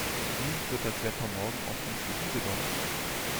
Wie wird das Wetter morgen auf Insel Usedom?